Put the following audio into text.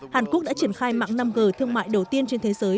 hàn quốc đã triển khai mạng năm g thương mại đầu tiên trên thế giới